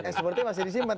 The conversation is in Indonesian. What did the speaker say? eh sepertinya masih disimpan